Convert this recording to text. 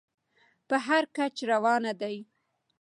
په هر کچ روان دى.